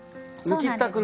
そうなんです。